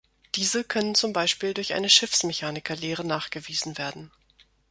Diese können zum Beispiel durch eine Schiffsmechaniker-Lehre nachgewiesen werden.